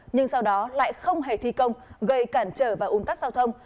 nhưng sau đó lại không hề thi công gây cản trở và ủn tắc giao thông